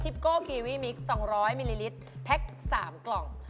ปโก้กีวี่มิก๒๐๐มิลลิลิตรแพ็ค๓กล่อง